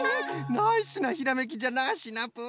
ナイスなひらめきじゃなシナプー！